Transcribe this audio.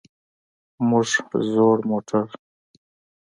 موږ زوړ موټر.